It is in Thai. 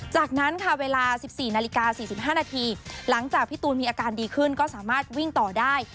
จากนั้นค่ะเวลา๑๔นาฬิกา๔๕นาทีหลังจากพี่ตูนมีอาการดีขึ้นก็สามารถวิ่งต่อได้